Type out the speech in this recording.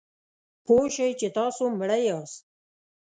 پوه شئ چې تاسو مړه یاست .